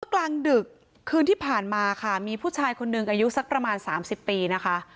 กลางดึกคืนที่ผ่านมาค่ะมีผู้ชายคนหนึ่งอายุสักประมาณ๓๐ปีนะคะ